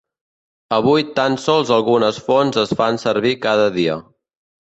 Avui tan sols algunes fonts es fan servir cada dia.